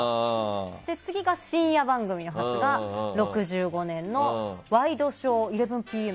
次が深夜番組の初が６５年の「ワイドショー１１ＰＭ」。